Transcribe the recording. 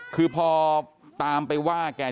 เดี๋ยวให้กลางกินขนม